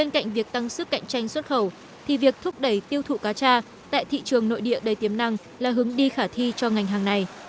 cạnh tranh xuất khẩu thì việc thúc đẩy tiêu thụ cá tra tại thị trường nội địa đầy tiềm năng là hướng đi khả thi cho ngành hàng này